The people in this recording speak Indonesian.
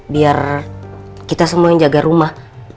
biar kita semua yang jaga rumah